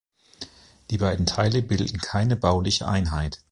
Die beiden Teile bilden keine bauliche Einheit.